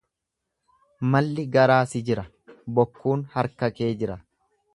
Malli garaa si jira, bokkuun harka kee jira.